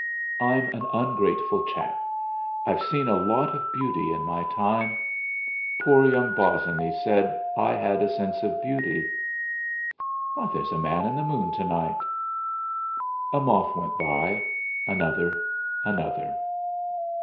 I'm an ungrateful chap; I've seen a lot of beauty in my time. Poor young Bosinney said I had a sense of beauty. There's a man in the moon to night!' A moth went by, another, another.